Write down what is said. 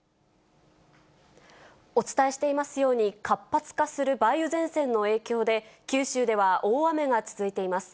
お伝えしていますように、活発化する梅雨前線の影響で、九州では大雨が続いています。